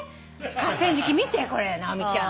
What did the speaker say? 河川敷見てこれ直美ちゃん。